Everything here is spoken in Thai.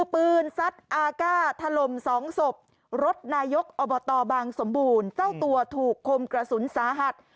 ปืนซัดอาก้าถล่มสองศพรถนายกอบตบางสมบูรณ์เจ้าตัวถูกคมกระสุนสาหัส